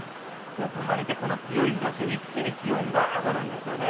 よく晴れてこの強い日ざし一気に気温が上がるんですよね。